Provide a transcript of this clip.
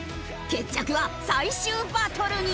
決着は最終バトルに。